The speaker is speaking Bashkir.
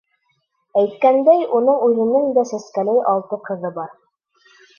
Әйткәндәй, уның үҙенең дә сәскәләй алты ҡыҙы бар.